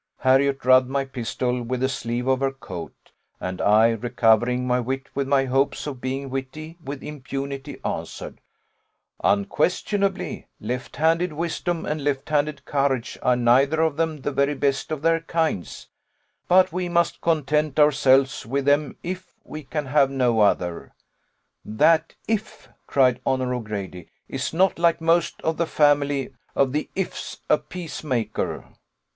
Harriot rubbed my pistol with the sleeve of her coat, and I, recovering my wit with my hopes of being witty with impunity, answered, 'Unquestionably, left handed wisdom and left handed courage are neither of them the very best of their kinds; but we must content ourselves with them if we can have no other.' 'That if,' cried Honour O'Grady, 'is not, like most of the family of the ifs, a peace maker.